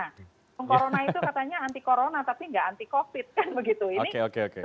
karena corona itu katanya anti corona tapi nggak anti covid kan begitu